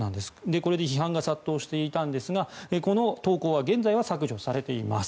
これで批判が殺到していたんですがこの投稿は現在は削除されています。